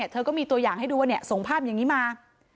เธอก็มีตัวอย่างให้ดูว่าส่งภาพอย่างนี้มา